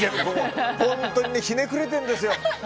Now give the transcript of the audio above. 本当にひねくれてるんですよ。